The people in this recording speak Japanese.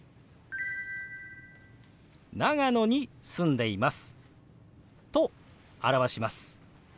「長野に住んでいます」と表します。